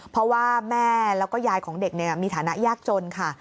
เพราะว่าแม่แล้วก็ยายของเด็กมีฐานะยากจนค่ะ